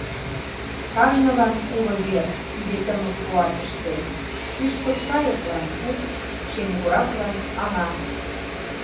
Кажнылан уло вер тиде тымык куатыште: Шӱшпык кайыклан — укш, шемгораклан — аҥа.